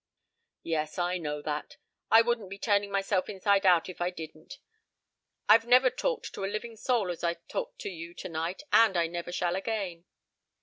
"Yes, I know that. I wouldn't be turning myself inside out if I didn't. I've never talked to a living soul as I've talked to you tonight and I never shall again."